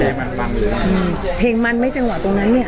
อืมเพลงมันไม่จังหวะตรงนั้นเนี่ย